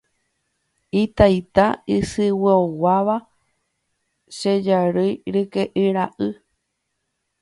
Itaita isyguioguáva che jarýi ryke'y ra'y.